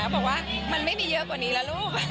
บอกว่ามันไม่มีเยอะกว่านี้แล้วลูก